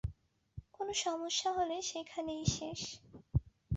কোনো সমস্যা হলে সেখানেই শেষ।